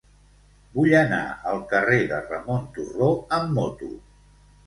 Vull anar al carrer de Ramon Turró amb moto.